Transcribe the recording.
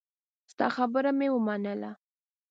ستا خبره مې ومنله.